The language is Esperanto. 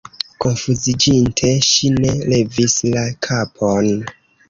Konfuziĝinte, ŝi ne levis la kapon.